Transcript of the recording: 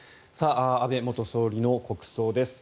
安倍元総理の国葬です。